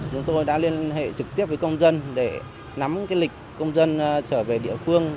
chúng tôi đã liên hệ trực tiếp với công dân để nắm lịch công dân trở về địa phương